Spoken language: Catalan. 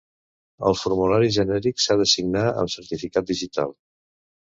El formulari genèric s'ha de signar amb certificat digital.